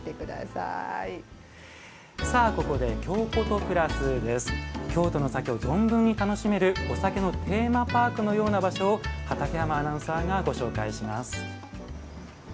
さあここで京都の酒を存分に楽しめるお酒のテーマパークのような場所を畠山アナウンサーがご紹介します。